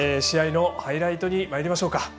試合のハイライトにまいりましょうか。